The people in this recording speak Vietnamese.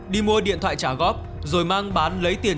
đi mua điện thoại trả góp rồi mang bán lấy tiền